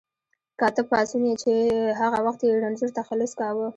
کاتب پاڅون چې هغه وخت یې رنځور تخلص کاوه.